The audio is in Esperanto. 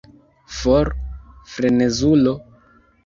For, frenezulo!